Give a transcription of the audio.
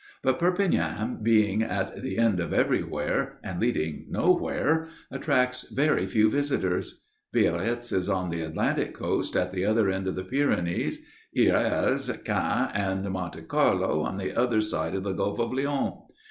But Perpignan being at the end of everywhere and leading nowhere attracts very few visitors. Biarritz is on the Atlantic coast at the other end of the Pyrenees; Hyères, Cannes and Monte Carlo on the other side of the Gulf of Lions.